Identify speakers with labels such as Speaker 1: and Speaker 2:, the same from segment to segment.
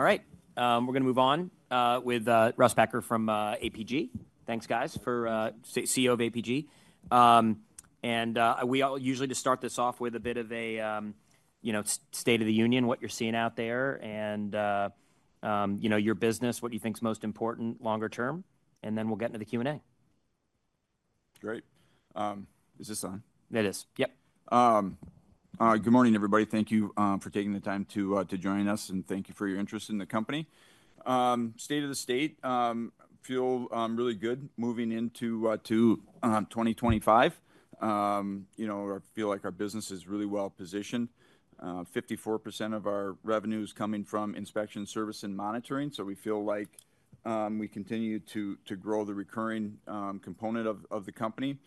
Speaker 1: All right, we're going to move on with Russ Becker from APi Group. Thanks, guys, for CEO of APi Group. We usually just start this off with a bit of a state of the union, what you're seeing out there, and your business, what you think is most important longer term. Then we'll get into the Q&A.
Speaker 2: Great. Is this on? It is. Yep. Good morning, everybody. Thank you for taking the time to join us, and thank you for your interest in the company. State of the state, feel really good moving into 2025. Feel like our business is really well positioned. 54% of our revenue is coming from inspection, service, and monitoring. We feel like we continue to grow the recurring component of the company.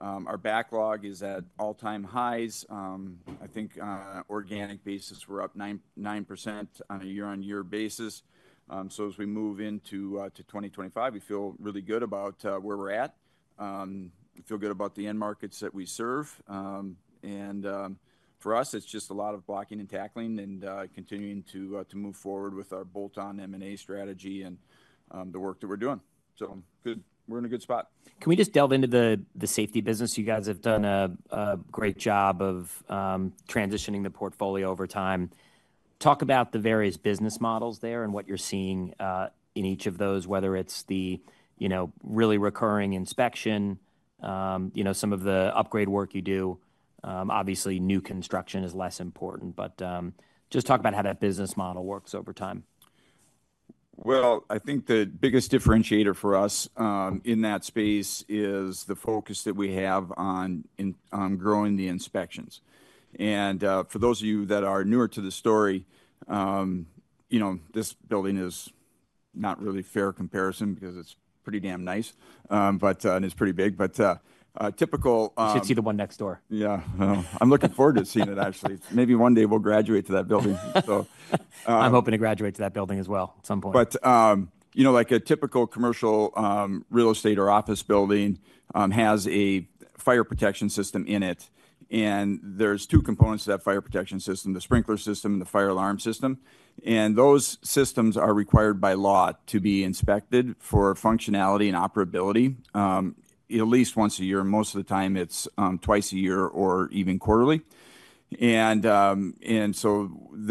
Speaker 2: Our backlog is at all-time highs. I think on an organic basis, we're up 9% on a year-on-year basis. As we move into 2025, we feel really good about where we're at. We feel good about the end markets that we serve. For us, it's just a lot of blocking and tackling and continuing to move forward with our bolt-on M&A strategy and the work that we're doing. We're in a good spot. Can we just delve into the safety business? You guys have done a great job of transitioning the portfolio over time. Talk about the various business models there and what you're seeing in each of those, whether it's the really recurring inspection, some of the upgrade work you do. Obviously, new construction is less important, but just talk about how that business model works over time. I think the biggest differentiator for us in that space is the focus that we have on growing the inspections. And for those of you that are newer to the story, this building is not really a fair comparison because it's pretty damn nice, and it's pretty big. But a typical. It's either one next door. Yeah. I'm looking forward to seeing it, actually. Maybe one day we'll graduate to that building. I'm hoping to graduate to that building as well at some point. A typical commercial real estate or office building has a fire protection system in it. There are two components to that fire protection system: the sprinkler system and the fire alarm system. Those systems are required by law to be inspected for functionality and operability at least once a year. Most of the time, it is twice a year or even quarterly. The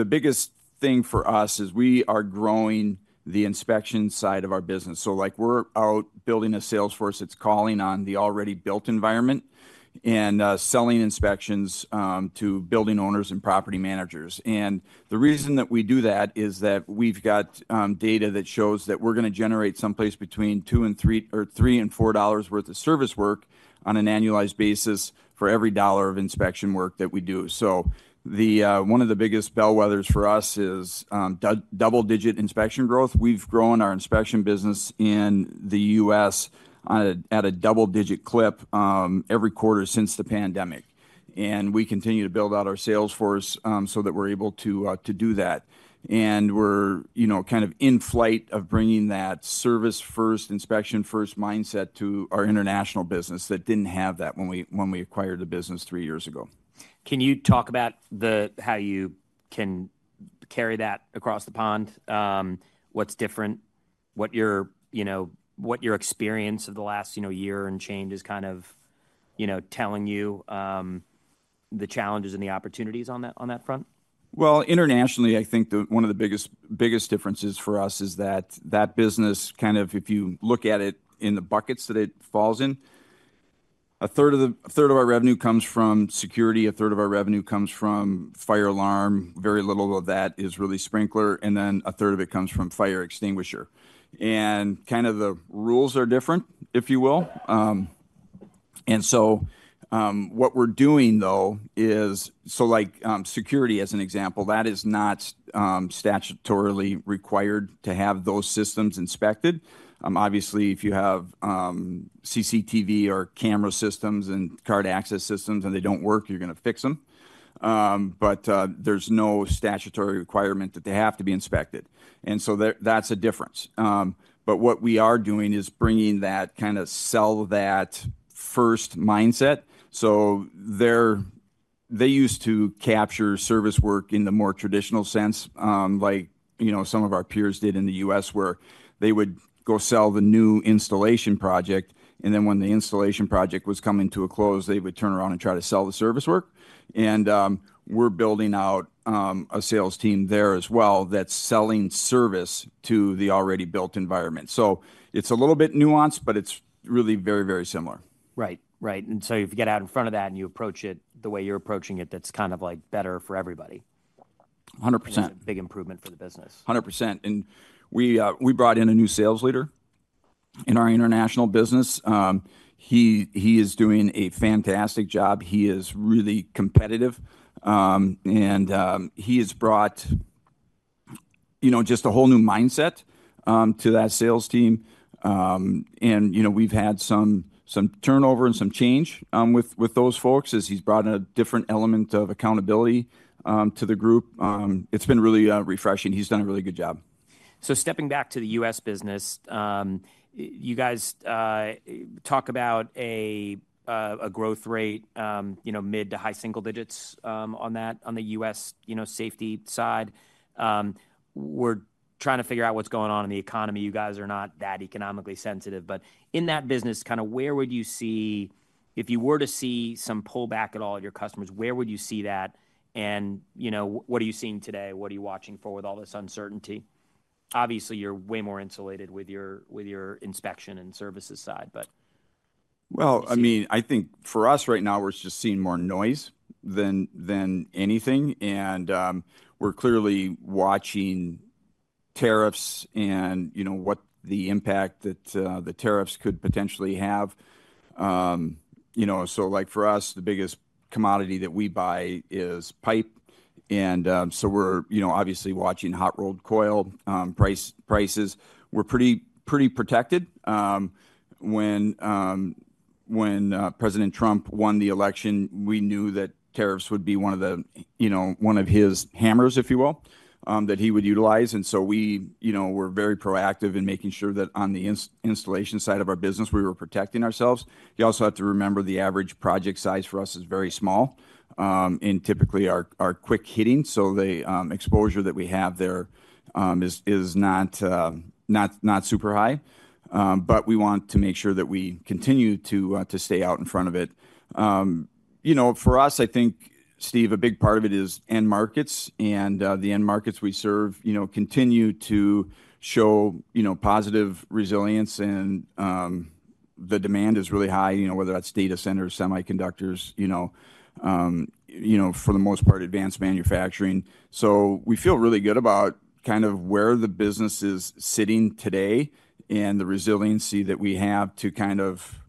Speaker 2: biggest thing for us is we are growing the inspection side of our business. We are out building a sales force that is calling on the already built environment and selling inspections to building owners and property managers. The reason that we do that is that we have data that shows we are going to generate someplace between $3 and $4 worth of service work on an annualized basis for every dollar of inspection work that we do. One of the biggest bellwethers for us is double-digit inspection growth. We've grown our inspection business in the U.S. at a double-digit clip every quarter since the pandemic. We continue to build out our sales force so that we're able to do that. We're kind of in flight of bringing that service-first, inspection-first mindset to our international business that didn't have that when we acquired the business three years ago. Can you talk about how you can carry that across the pond? What's different? What your experience of the last year and change is kind of telling you the challenges and the opportunities on that front? Internationally, I think one of the biggest differences for us is that that business, kind of if you look at it in the buckets that it falls in, a third of our revenue comes from security, a third of our revenue comes from fire alarm, very little of that is really sprinkler, and then a third of it comes from fire extinguisher. The rules are different, if you will. What we are doing, though, is so like security, as an example, that is not statutorily required to have those systems inspected. Obviously, if you have CCTV or camera systems and card access systems and they do not work, you are going to fix them. There is no statutory requirement that they have to be inspected. That is a difference. What we are doing is bringing that kind of sell that first mindset. They used to capture service work in the more traditional sense, like some of our peers did in the U.S., where they would go sell the new installation project. Then when the installation project was coming to a close, they would turn around and try to sell the service work. We are building out a sales team there as well that is selling service to the already built environment. It is a little bit nuanced, but it is really very, very similar. Right. Right. If you get out in front of that and you approach it the way you're approaching it, that's kind of like better for everybody. 100%. That's a big improvement for the business. 100%. We brought in a new sales leader in our international business. He is doing a fantastic job. He is really competitive. He has brought just a whole new mindset to that sales team. We've had some turnover and some change with those folks as he's brought a different element of accountability to the group. It's been really refreshing. He's done a really good job. Stepping back to the U.S. business, you guys talk about a growth rate, mid to high single digits on that on the U.S. safety side. We're trying to figure out what's going on in the economy. You guys are not that economically sensitive. In that business, kind of where would you see if you were to see some pullback at all of your customers, where would you see that? What are you seeing today? What are you watching for with all this uncertainty? Obviously, you're way more insulated with your inspection and services side. I mean, I think for us right now, we're just seeing more noise than anything. We're clearly watching tariffs and what the impact that the tariffs could potentially have. For us, the biggest commodity that we buy is pipe. We're obviously watching hot rolled coil prices. We're pretty protected. When President Trump won the election, we knew that tariffs would be one of his hammers, if you will, that he would utilize. We were very proactive in making sure that on the installation side of our business, we were protecting ourselves. You also have to remember the average project size for us is very small and typically our quick hitting. The exposure that we have there is not super high. We want to make sure that we continue to stay out in front of it. For us, I think, Steve, a big part of it is end markets. The end markets we serve continue to show positive resilience. The demand is really high, whether that's data centers, semiconductors, for the most part, advanced manufacturing. We feel really good about kind of where the business is sitting today and the resiliency that we have to kind of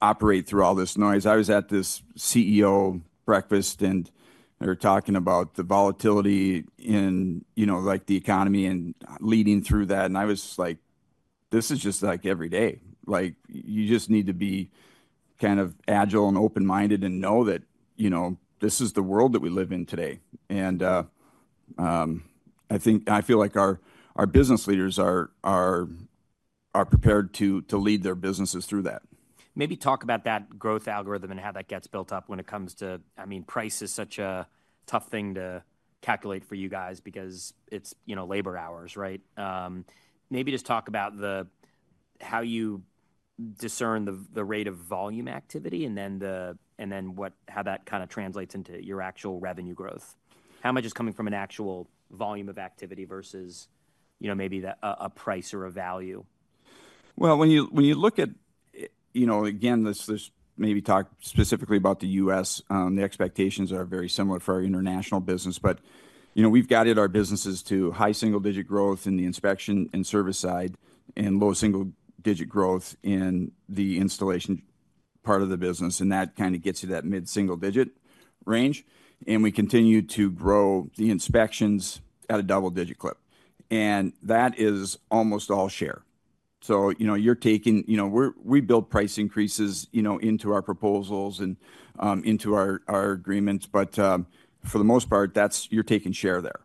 Speaker 2: operate through all this noise. I was at this CEO breakfast, and they were talking about the volatility in the economy and leading through that. I was like, this is just like every day. You just need to be kind of agile and open-minded and know that this is the world that we live in today. I feel like our business leaders are prepared to lead their businesses through that. Maybe talk about that growth algorithm and how that gets built up when it comes to, I mean, price is such a tough thing to calculate for you guys because it's labor hours, right? Maybe just talk about how you discern the rate of volume activity and then how that kind of translates into your actual revenue growth. How much is coming from an actual volume of activity versus maybe a price or a value? When you look at, again, this, maybe talk specifically about the U.S., the expectations are very similar for our international business. We have guided our businesses to high single-digit growth in the inspection and service side and low single-digit growth in the installation part of the business. That kind of gets you that mid-single-digit range. We continue to grow the inspections at a double-digit clip. That is almost all share. We build price increases into our proposals and into our agreements. For the most part, you are taking share there.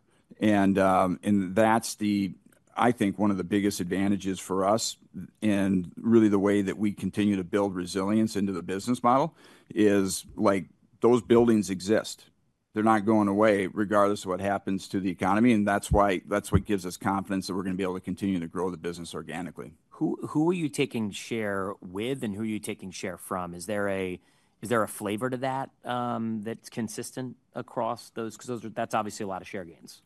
Speaker 2: I think that is one of the biggest advantages for us. Really, the way that we continue to build resilience into the business model is those buildings exist. They are not going away regardless of what happens to the economy. That is what gives us confidence that we're going to be able to continue to grow the business organically. Who are you taking share with and who are you taking share from? Is there a flavor to that that's consistent across those? Because that's obviously a lot of share gains.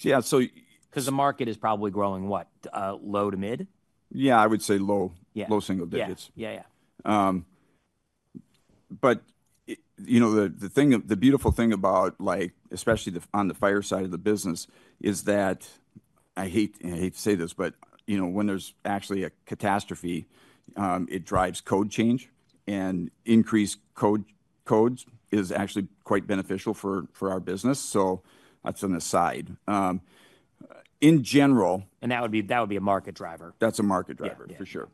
Speaker 2: Yeah. Because the market is probably growing what, low to mid? Yeah, I would say low, low single digits. Yeah, yeah. The beautiful thing about, especially on the fire side of the business, is that I hate to say this, but when there's actually a catastrophe, it drives code change. Increased codes is actually quite beneficial for our business. That's an aside. In general. That would be a market driver. That's a market driver, for sure.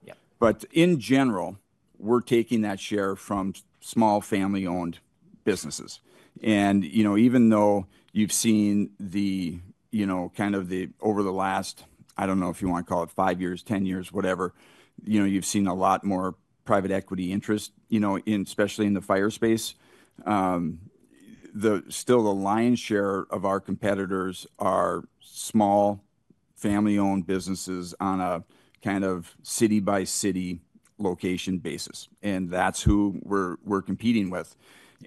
Speaker 2: In general, we're taking that share from small family-owned businesses. Even though you've seen kind of over the last, I don't know if you want to call it five years, ten years, whatever, you've seen a lot more private equity interest, especially in the fire space. Still, the lion's share of our competitors are small family-owned businesses on a kind of city-by-city location basis. That's who we're competing with.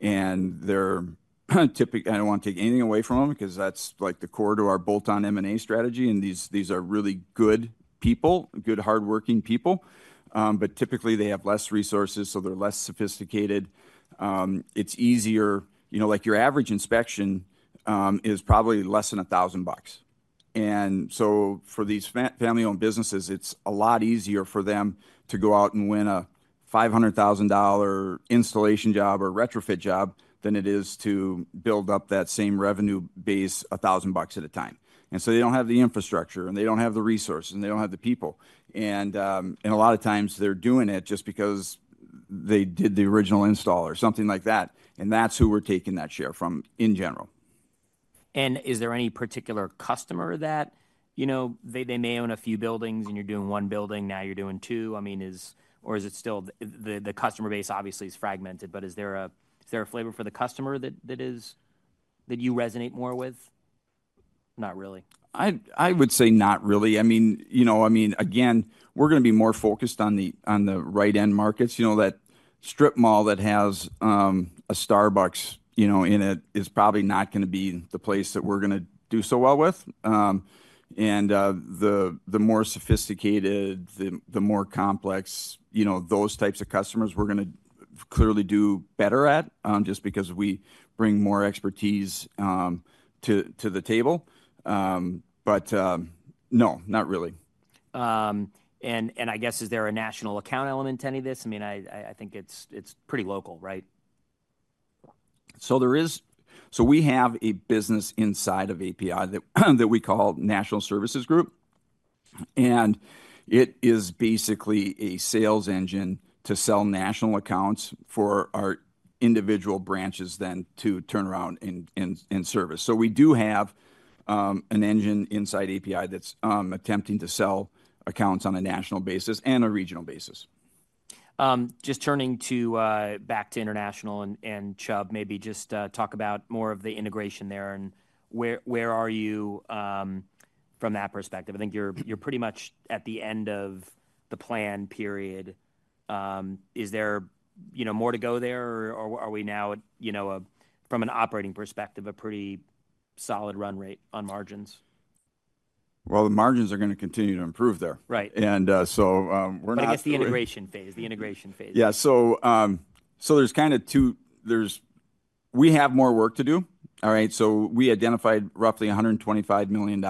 Speaker 2: I don't want to take anything away from them because that's like the core to our bolt-on M&A strategy. These are really good people, good hardworking people. Typically, they have less resources, so they're less sophisticated. It's easier. Like your average inspection is probably less than $1,000. For these family-owned businesses, it's a lot easier for them to go out and win a $500,000 installation job or retrofit job than it is to build up that same revenue base, $1,000 at a time. They don't have the infrastructure, and they don't have the resources, and they don't have the people. A lot of times, they're doing it just because they did the original install or something like that. That's who we're taking that share from in general. Is there any particular customer that they may own a few buildings, and you're doing one building, now you're doing two? I mean, or is it still the customer base obviously is fragmented, but is there a flavor for the customer that you resonate more with? Not really. I would say not really. I mean, again, we're going to be more focused on the right-end markets. That strip mall that has a Starbucks in it is probably not going to be the place that we're going to do so well with. The more sophisticated, the more complex, those types of customers we're going to clearly do better at just because we bring more expertise to the table. No, not really. I guess, is there a national account element to any of this? I mean, I think it's pretty local, right? We have a business inside of APi that we call National Service Group. It is basically a sales engine to sell national accounts for our individual branches then to turn around and service. We do have an engine inside APi that is attempting to sell accounts on a national basis and a regional basis. Just turning back to international, and Chubb, maybe just talk about more of the integration there. Where are you from that perspective? I think you're pretty much at the end of the plan period. Is there more to go there, or are we now, from an operating perspective, a pretty solid run rate on margins? The margins are going to continue to improve there. Right. We're not. I guess the integration phase, the integration phase. Yeah. So there's kind of two. We have more work to do. All right. We identified roughly $125 million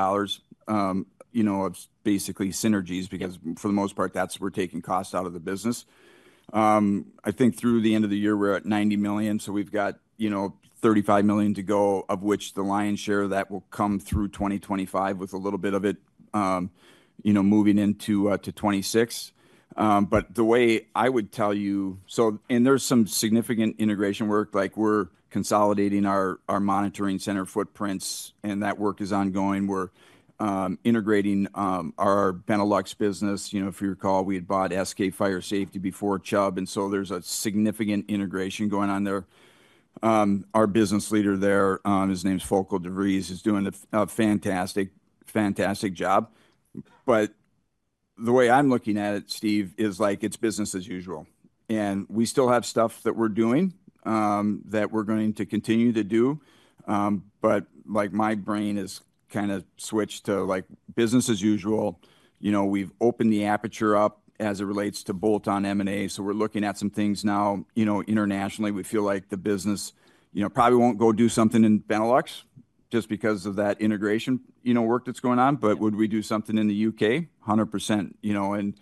Speaker 2: of basically synergies because for the most part, that's we're taking costs out of the business. I think through the end of the year, we're at $90 million. We've got $35 million to go, of which the lion's share of that will come through 2025 with a little bit of it moving into 2026. The way I would tell you, there's some significant integration work. Like we're consolidating our monitoring center footprints, and that work is ongoing. We're integrating our Benelux business. If you recall, we had bought SK FireSafety before Chubb. There's a significant integration going on there. Our business leader there, his name's Fokke de Vries, is doing a fantastic, fantastic job. The way I'm looking at it, Steve, is like it's business as usual. We still have stuff that we're doing that we're going to continue to do. My brain has kind of switched to business as usual. We've opened the aperture up as it relates to bolt-on M&A. We're looking at some things now internationally. We feel like the business probably won't go do something in Benelux just because of that integration work that's going on. Would we do something in the U.K.? 100%.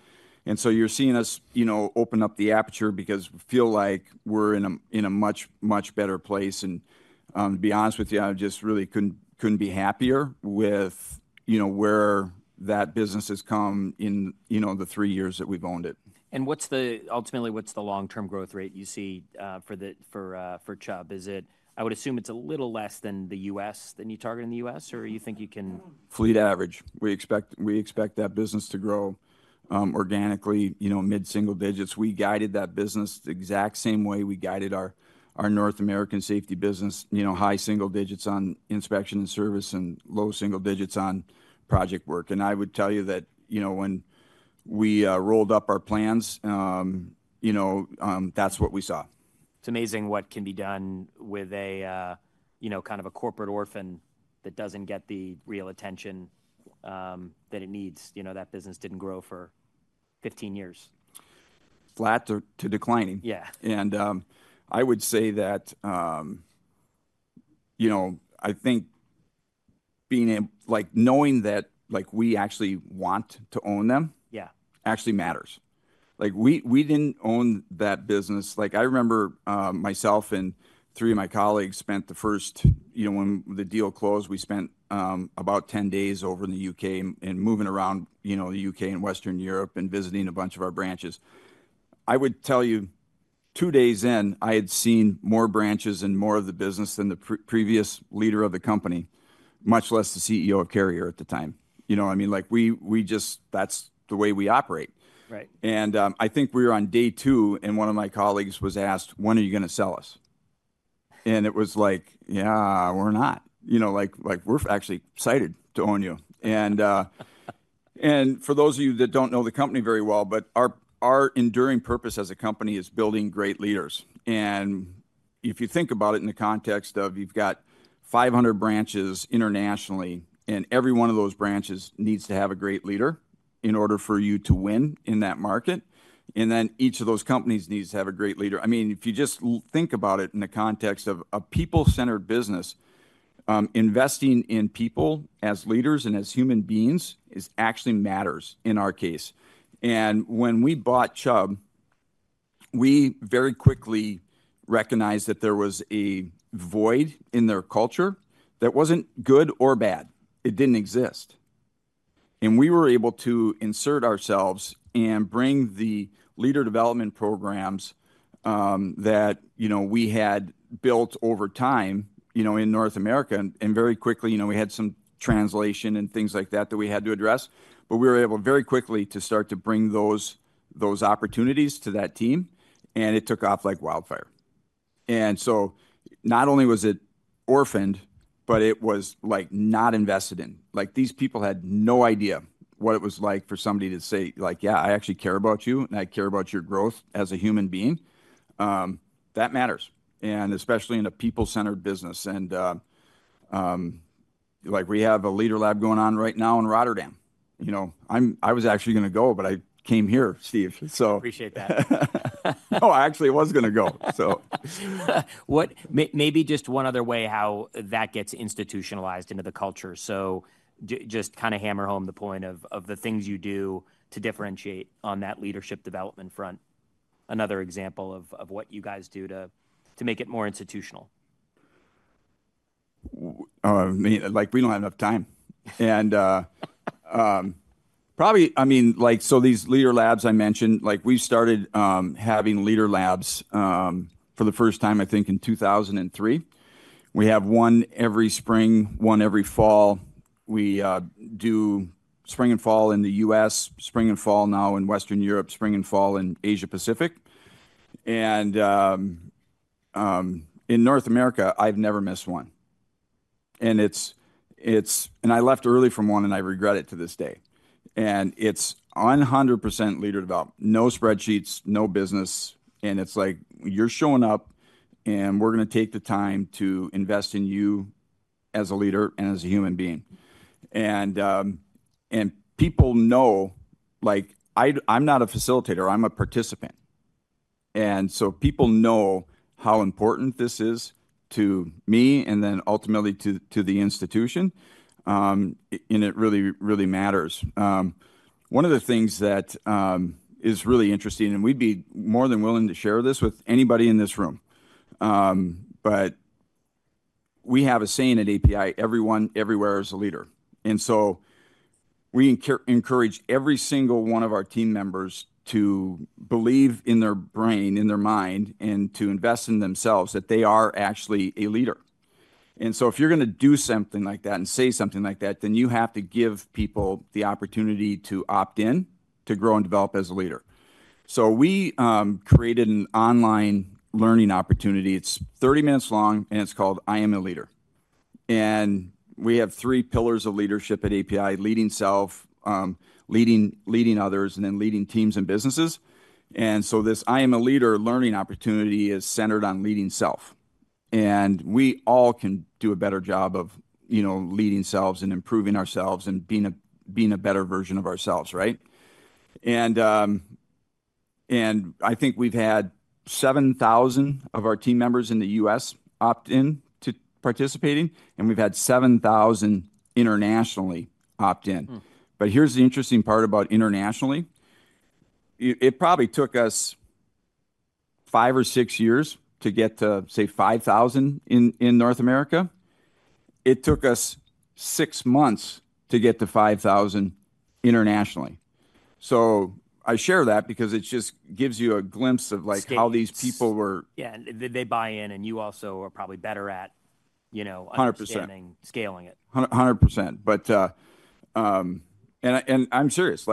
Speaker 2: You're seeing us open up the aperture because we feel like we're in a much, much better place. To be honest with you, I just really couldn't be happier with where that business has come in the three years that we've owned it. Ultimately, what's the long-term growth rate you see for Chubb? I would assume it's a little less than the U.S., than you target in the U.S., or you think you can. Fleet average. We expect that business to grow organically, mid-single digits. We guided that business the exact same way we guided our North American safety business, high single digits on inspection and service and low single digits on project work. I would tell you that when we rolled up our plans, that's what we saw. It's amazing what can be done with kind of a corporate orphan that doesn't get the real attention that it needs. That business didn't grow for 15 years. Flat to declining. Yeah. I would say that I think knowing that we actually want to own them actually matters. We did not own that business. I remember myself and three of my colleagues spent the first, when the deal closed, we spent about 10 days over in the U.K. and moving around the U.K. and Western Europe and visiting a bunch of our branches. I would tell you, two days in, I had seen more branches and more of the business than the previous leader of the company, much less the CEO of Carrier at the time. I mean, that's the way we operate. I think we were on day two, and one of my colleagues was asked, "When are you going to sell us?" It was like, "Yeah, we're not. We're actually excited to own you. For those of you that don't know the company very well, our enduring purpose as a company is building great leaders. If you think about it in the context of you've got 500 branches internationally, and every one of those branches needs to have a great leader in order for you to win in that market. Each of those companies needs to have a great leader. I mean, if you just think about it in the context of a people-centered business, investing in people as leaders and as human beings actually matters in our case. When we bought Chubb, we very quickly recognized that there was a void in their culture that wasn't good or bad. It didn't exist. We were able to insert ourselves and bring the leader development programs that we had built over time in North America. Very quickly, we had some translation and things like that that we had to address. We were able very quickly to start to bring those opportunities to that team. It took off like wildfire. Not only was it orphaned, but it was not invested in. These people had no idea what it was like for somebody to say, "Yeah, I actually care about you, and I care about your growth as a human being." That matters, especially in a people-centered business. We have a Leader Lab going on right now in Rotterdam. I was actually going to go, but I came here, Steve. Appreciate that. No, I actually was going to go, so. Maybe just one other way how that gets institutionalized into the culture. Just kind of hammer home the point of the things you do to differentiate on that leadership development front. Another example of what you guys do to make it more institutional. We don't have enough time. I mean, these Leader Labs I mentioned, we started having Leader Labs for the first time, I think, in 2003. We have one every spring, one every fall. We do spring and fall in the U.S., spring and fall now in Western Europe, spring and fall in Asia-Pacific. In North America, I've never missed one. I left early from one, and I regret it to this day. It's 100% leader development, no spreadsheets, no business. It's like, "You're showing up, and we're going to take the time to invest in you as a leader and as a human being." People know I'm not a facilitator. I'm a participant. People know how important this is to me and then ultimately to the institution. It really, really matters. One of the things that is really interesting, and we'd be more than willing to share this with anybody in this room, but we have a saying at APi, "Everyone everywhere is a leader." We encourage every single one of our team members to believe in their brain, in their mind, and to invest in themselves that they are actually a leader. If you're going to do something like that and say something like that, you have to give people the opportunity to opt in to grow and develop as a leader. We created an online learning opportunity. It's 30 minutes long, and it's called I Am a Leader. We have three pillars of leadership at APi: Leading Self, Leading Others, and then Leading Teams and Businesses. This I Am a Leader learning opportunity is centered on Leading Self. We all can do a better job of leading selves and improving ourselves and being a better version of ourselves, right? I think we've had 7,000 of our team members in the U.S. opt in to participating, and we've had 7,000 internationally opt in. Here's the interesting part about internationally. It probably took us five or six years to get to, say, 5,000 in North America. It took us six months to get to 5,000 internationally. I share that because it just gives you a glimpse of how these people were. Yeah. They buy in, and you also are probably better at understanding scaling it. 100%. I'm serious.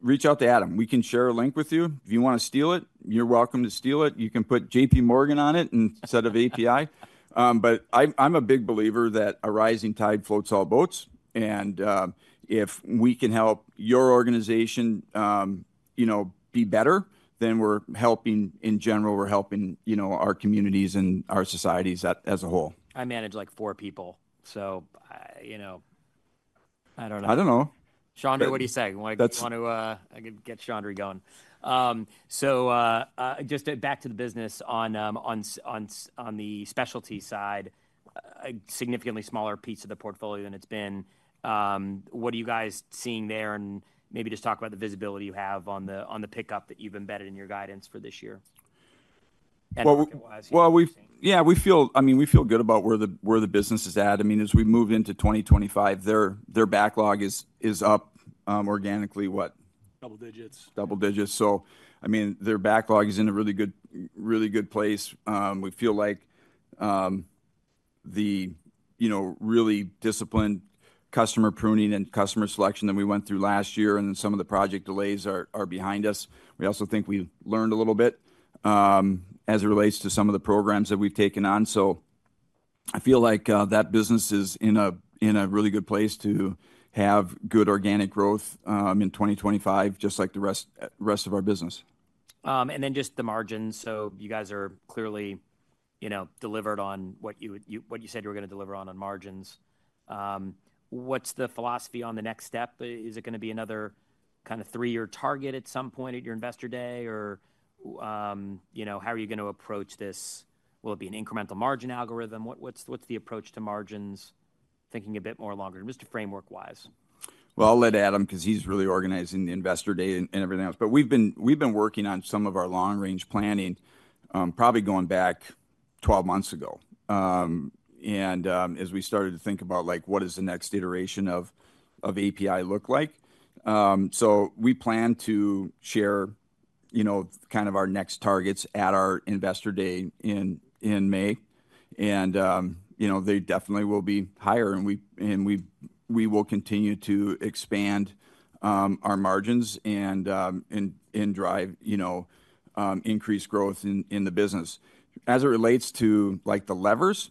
Speaker 2: Reach out to Adam. We can share a link with you. If you want to steal it, you're welcome to steal it. You can put J.P. Morgan on it instead of APi. I'm a big believer that a rising tide floats all boats. If we can help your organization be better, then we're helping in general. We're helping our communities and our societies as a whole. I manage like four people, so I don't know. I don't know. Chandra, what do you say? I want to get Chandra going. Just back to the business on the specialty side, a significantly smaller piece of the portfolio than it's been. What are you guys seeing there? Maybe just talk about the visibility you have on the pickup that you've embedded in your guidance for this year. Yeah, I mean, we feel good about where the business is at. I mean, as we move into 2025, their backlog is up organically, what? Double digits. Double digits. I mean, their backlog is in a really good place. We feel like the really disciplined customer pruning and customer selection that we went through last year and then some of the project delays are behind us. We also think we've learned a little bit as it relates to some of the programs that we've taken on. I feel like that business is in a really good place to have good organic growth in 2025, just like the rest of our business. Just the margins. You guys are clearly delivered on what you said you were going to deliver on on margins. What's the philosophy on the next step? Is it going to be another kind of three-year target at some point at your Investor Day? How are you going to approach this? Will it be an incremental margin algorithm? What's the approach to margins, thinking a bit more longer just framework-wise? I'll let Adam because he's really organizing the Investor Day and everything else. We've been working on some of our long-range planning probably going back 12 months ago. As we started to think about what does the next iteration of APi look like, we plan to share kind of our next targets at our Investor Day in May. They definitely will be higher. We will continue to expand our margins and drive increased growth in the business. As it relates to the levers,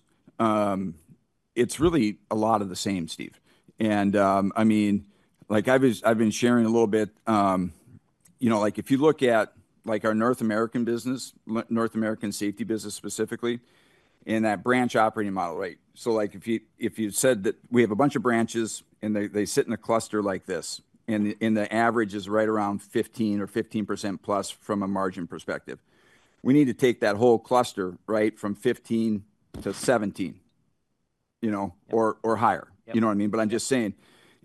Speaker 2: it's really a lot of the same, Steve. I mean, I've been sharing a little bit. If you look at our North American business, North American safety business specifically, and that branch operating model, right? If you said that we have a bunch of branches, and they sit in a cluster like this, and the average is right around 15 or 15% plus from a margin perspective, we need to take that whole cluster, right, from 15-17% or higher. You know what I mean? I'm just saying.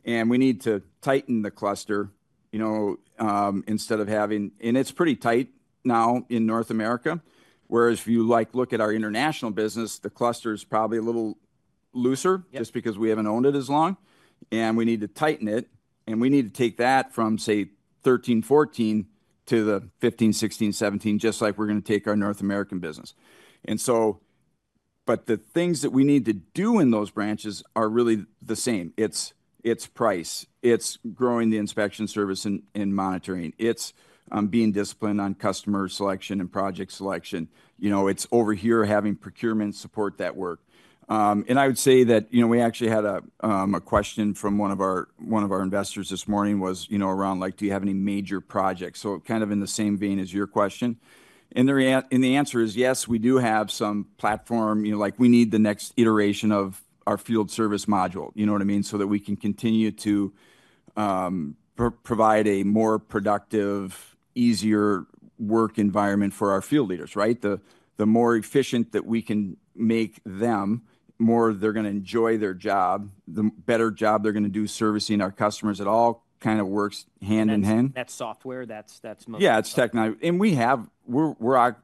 Speaker 2: We need to tighten the cluster instead of having—and it's pretty tight now in North America. Whereas if you look at our international business, the cluster is probably a little looser just because we haven't owned it as long. We need to tighten it. We need to take that from, say, 13-14% to the 15-16-17% range, just like we're going to take our North American business. The things that we need to do in those branches are really the same. It's price. It's growing the inspection service and monitoring. It's being disciplined on customer selection and project selection. It's over here having procurement support that work. I would say that we actually had a question from one of our investors this morning was around, like, "Do you have any major projects?" Kind of in the same vein as your question. The answer is yes, we do have some platform. We need the next iteration of our field service module. You know what I mean? So that we can continue to provide a more productive, easier work environment for our field leaders, right? The more efficient that we can make them, the more they're going to enjoy their job, the better job they're going to do servicing our customers. It all kind of works hand in hand. That software, that's most. Yeah, it's technology. And we're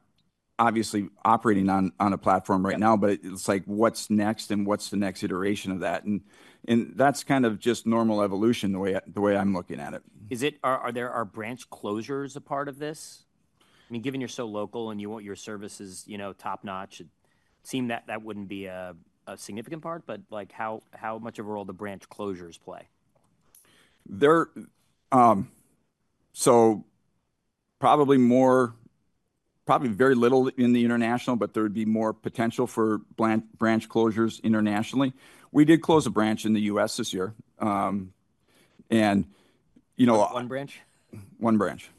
Speaker 2: obviously operating on a platform right now, but it's like, what's next and what's the next iteration of that? And that's kind of just normal evolution the way I'm looking at it. Are branch closures a part of this? I mean, given you're so local and you want your services top-notch, it seemed that that wouldn't be a significant part. How much of a role do branch closures play? is probably very little in the international, but there would be more potential for branch closures internationally. We did close a branch in the U.S. this year. One branch? One branch.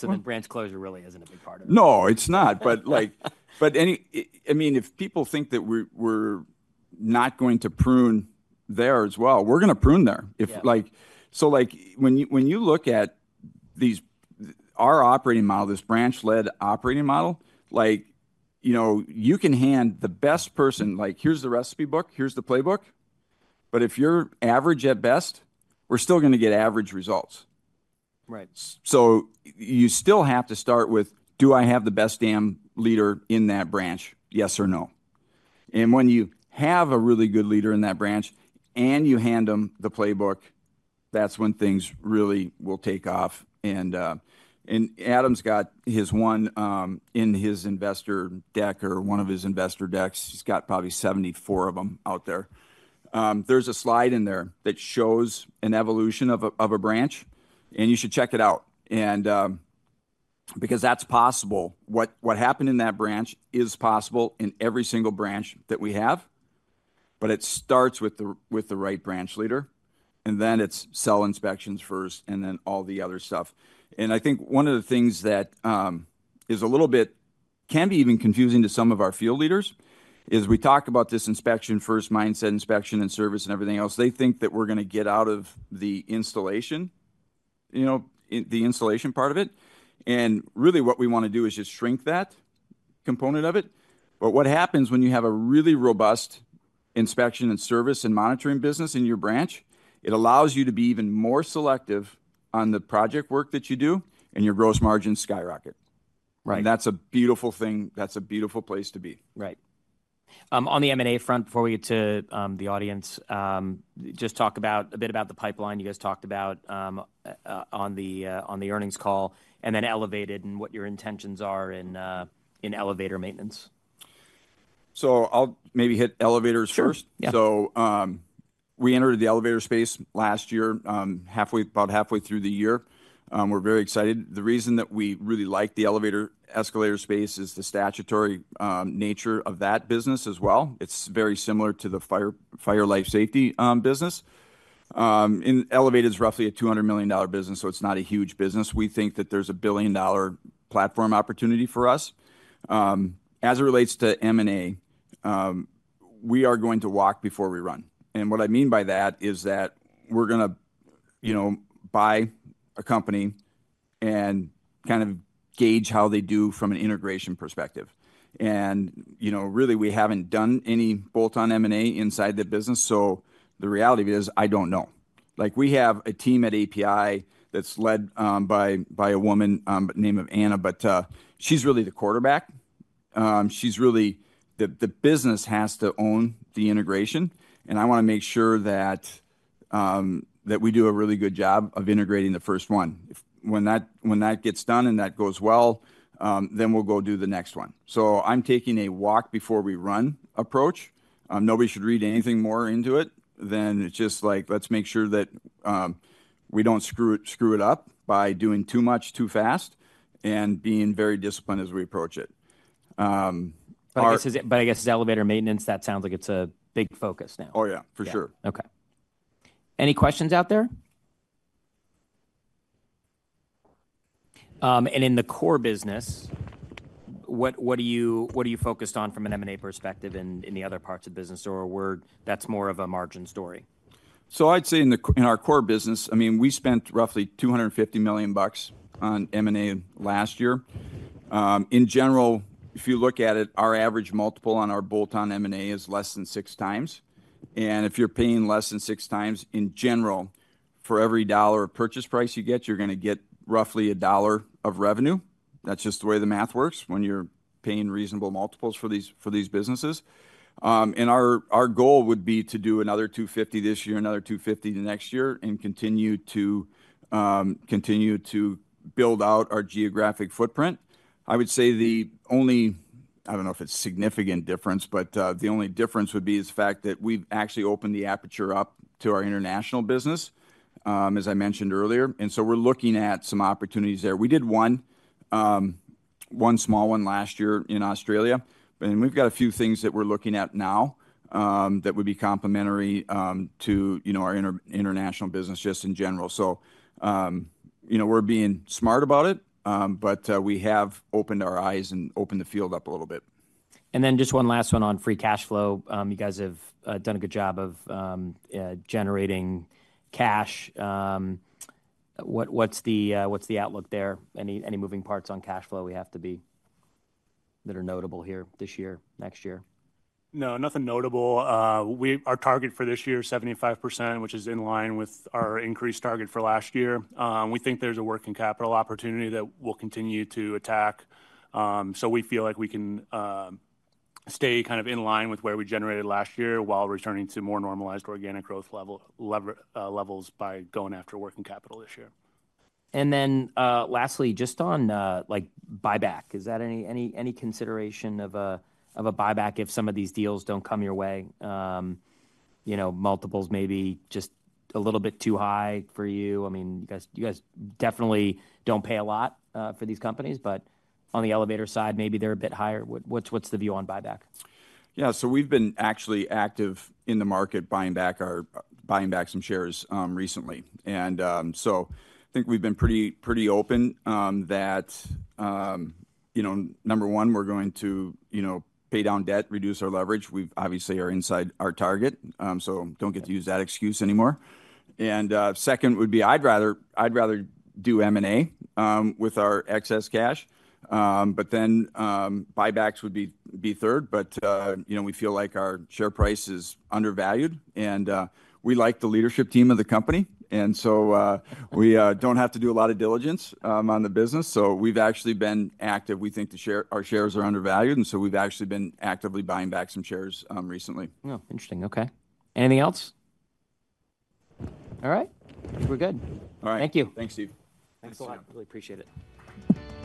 Speaker 2: Then branch closure really isn't a big part of it. No, it's not. I mean, if people think that we're not going to prune there as well, we're going to prune there. When you look at our operating model, this branch-led operating model, you can hand the best person, like, "Here's the recipe book. Here's the playbook." If you're average at best, we're still going to get average results. You still have to start with, "Do I have the best damn leader in that branch? Yes or no?" When you have a really good leader in that branch and you hand them the playbook, that's when things really will take off. Adam's got his one in his investor deck or one of his investor decks. He's got probably 74 of them out there. There's a slide in there that shows an evolution of a branch, and you should check it out. Because that's possible, what happened in that branch is possible in every single branch that we have. It starts with the right branch leader. Then it's sell inspections first and then all the other stuff. I think one of the things that is a little bit, can be even confusing to some of our field leaders, is we talk about this inspection first mindset, inspection and service and everything else. They think that we're going to get out of the installation, the installation part of it. Really what we want to do is just shrink that component of it. What happens when you have a really robust inspection and service and monitoring business in your branch, it allows you to be even more selective on the project work that you do, and your gross margins skyrocket. That's a beautiful thing. That's a beautiful place to be. Right. On the M&A front, before we get to the audience, just talk a bit about the pipeline you guys talked about on the earnings call and then Elevated and what your intentions are in elevator maintenance. I'll maybe hit elevators first. We entered the elevator space last year, about halfway through the year. We're very excited. The reason that we really like the elevator escalator space is the statutory nature of that business as well. It's very similar to the fire and life safety business. And Elevated is roughly a $200 million business, so it's not a huge business. We think that there's a billion-dollar platform opportunity for us. As it relates to M&A, we are going to walk before we run. What I mean by that is that we're going to buy a company and kind of gauge how they do from an integration perspective. Really, we haven't done any bolt-on M&A inside the business. The reality of it is I don't know. We have a team at APi that's led by a woman by the name of Anna, but she's really the quarterback. The business has to own the integration. I want to make sure that we do a really good job of integrating the first one. When that gets done and that goes well, we will go do the next one. I am taking a walk before we run approach. Nobody should read anything more into it than it's just like, "Let's make sure that we don't screw it up by doing too much too fast and being very disciplined as we approach it. I guess it's elevator maintenance. That sounds like it's a big focus now. Oh, yeah, for sure. Okay. Any questions out there? In the core business, what are you focused on from an M&A perspective in the other parts of business or that's more of a margin story? I'd say in our core business, I mean, we spent roughly $250 million on M&A last year. In general, if you look at it, our average multiple on our bolt-on M&A is less than six times. If you're paying less than six times in general for every dollar of purchase price you get, you're going to get roughly a dollar of revenue. That's just the way the math works when you're paying reasonable multiples for these businesses. Our goal would be to do another $250 million this year, another $250 million next year, and continue to build out our geographic footprint. I would say the only—I don't know if it's a significant difference, but the only difference would be the fact that we've actually opened the aperture up to our international business, as I mentioned earlier. We're looking at some opportunities there. We did one small one last year in Australia. We have got a few things that we are looking at now that would be complimentary to our international business just in general. We are being smart about it, but we have opened our eyes and opened the field up a little bit. Just one last one on free cash flow. You guys have done a good job of generating cash. What's the outlook there? Any moving parts on cash flow we have to be that are notable here this year, next year? No, nothing notable. Our target for this year is 75%, which is in line with our increased target for last year. We think there's a working capital opportunity that we'll continue to attack. We feel like we can stay kind of in line with where we generated last year while returning to more normalized organic growth levels by going after working capital this year. Lastly, just on buyback, is that any consideration of a buyback if some of these deals don't come your way? Multiples may be just a little bit too high for you. I mean, you guys definitely don't pay a lot for these companies, but on the elevator side, maybe they're a bit higher. What's the view on buyback? Yeah. We've been actually active in the market buying back some shares recently. I think we've been pretty open that, number one, we're going to pay down debt, reduce our leverage. We obviously are inside our target, so do not get to use that excuse anymore. Second would be I'd rather do M&A with our excess cash. Buybacks would be third. We feel like our share price is undervalued. We like the leadership team of the company. We do not have to do a lot of diligence on the business. We've actually been active. We think our shares are undervalued. We've actually been actively buying back some shares recently. Oh, interesting. Okay. Anything else? All right. We're good. All right. Thank you. Thanks, Steve. Thanks a lot. Really appreciate it.